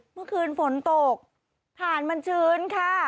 เมื่อคืนฝนตกถ่านมันชื้นค่ะ